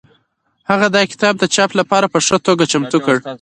هغه دا کتاب د چاپ لپاره په ښه توګه چمتو کړ.